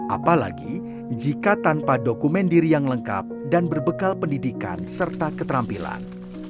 apalagi jika tanpa dokumen diri yang lengkap dan berbekal pendidikan serta keterampilan